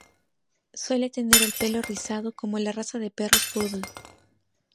Suele tener el pelo rizado como la raza de perros Poodle.